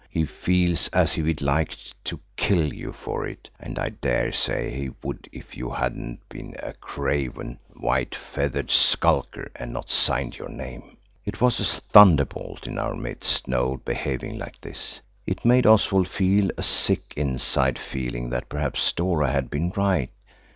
He feels as if he'd like to kill you for it, and I daresay he would if you hadn't been a craven, white feathered skulker and not signed your name." It was a thunderbolt in our midst Noël behaving like this. It made Oswald feel a sick inside feeling that perhaps Dora had been right.